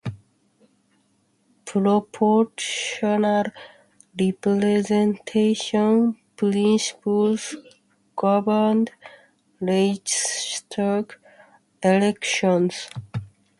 Proportional representation principles governed Reichstag elections.